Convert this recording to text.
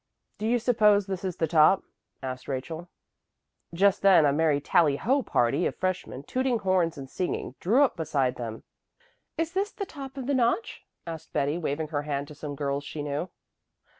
"Do you suppose this is the top?" asked Rachel. Just then a merry tally ho party of freshmen, tooting horns and singing, drew up beside them. "Is this the top of the notch?" asked Betty, waving her hand to some girls she knew.